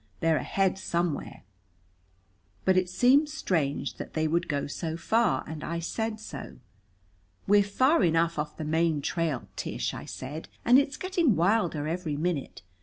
They're ahead somewhere." But it seemed strange that they would go so far, and I said so. "We're far enough off the main trail, Tish," I said. "And it's getting wilder every minute.